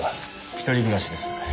一人暮らしです。